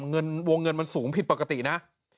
วงเงินมันสูงผิดปกตินะ